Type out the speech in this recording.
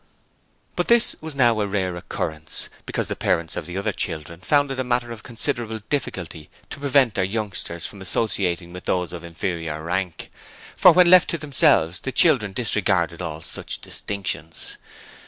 But this was now a rare occurrence, because the parents of the other children found it a matter of considerable difficulty to prevent their youngsters from associating with those of inferior rank, for when left to themselves the children disregarded all such distinctions.